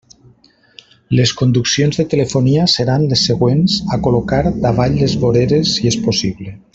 Les conduccions de telefonia seran les següents a col·locar davall les voreres si és possible.